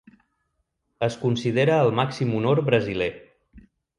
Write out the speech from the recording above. Es considera el màxim honor brasiler.